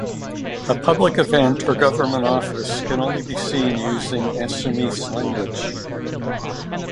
A public event or government office can only be seen using Assamese language.